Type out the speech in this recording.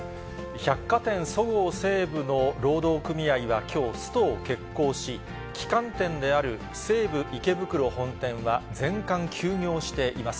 百貨店そごう・西武の労働組合はきょう、ストを決行し、旗艦店である西武池袋本店は全館休業しています。